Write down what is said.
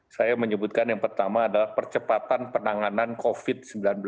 saya menyebutkan yang pertama adalah percepatan penanganan covid sembilan belas